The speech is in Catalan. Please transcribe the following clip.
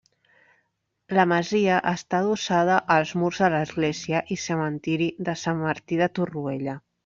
La masia està adossada als murs de l'església i cementiri de Sant Martí de Torroella.